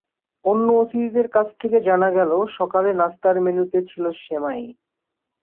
অন্য অতিথিদের কাছ থেকে জানা গেল, সকালে নাশতার মেন্যুতে ছিল সেমাই।